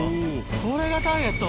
これがターゲット。